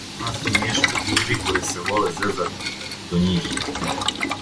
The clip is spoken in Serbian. Има смијешних људи који се воле зезати, до њих је.